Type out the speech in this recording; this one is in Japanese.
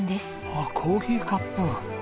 ああコーヒーカップ。